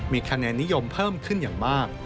มีคะแนนนิยมเพิ่มขึ้นอย่างมาก